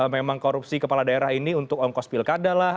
memang korupsi kepala daerah ini untuk ongkos pilkada lah